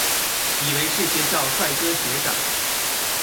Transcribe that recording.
以為是學校帥哥學長